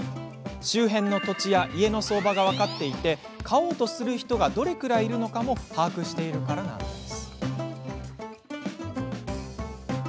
周辺の土地や家の相場が分かっていて買おうとする人がどのくらいいるかも把握しているからなんです。